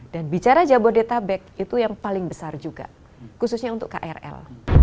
dan bicara jabodetabek itu yang paling besar juga khususnya untuk krl